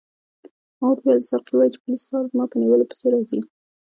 ما ورته وویل ساقي وایي چې پولیس سهار زما په نیولو پسې راځي.